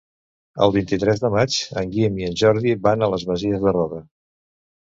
El vint-i-tres de maig en Guim i en Jordi van a les Masies de Roda.